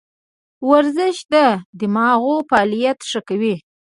ورزش د دماغو فعالیت ښه کوي.